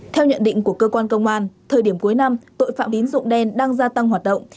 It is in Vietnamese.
theo nhận định của cơ quan công an thời điểm cuối năm tội phạm tín dụng đen đang gia tăng hoạt động